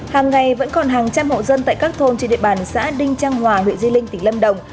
hàng ngày vẫn còn hàng trăm hộ dân tại các thôn trên địa bàn xã đinh trang hòa huyện di linh tỉnh lâm đồng